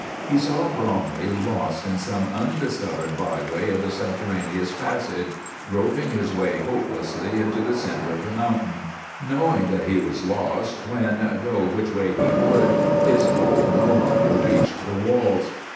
He saw Bromley lost in some undiscovered byway of the subterraneous passage, groping his way hopelessly into the center of the mountain; knowing that he was lost when, go which way he would, his pole no longer reached the walls.